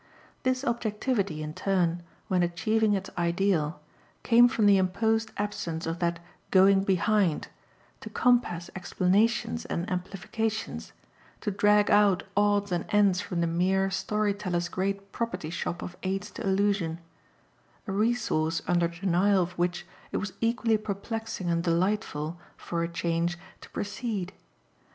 This objectivity, in turn, when achieving its ideal, came from the imposed absence of that "going behind," to compass explanations and amplifications, to drag out odds and ends from the "mere" storyteller's great property shop of aids to illusion: a resource under denial of which it was equally perplexing and delightful, for a change, to proceed.